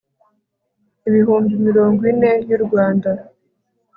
ibihumbi mirongo ine y u Rwanda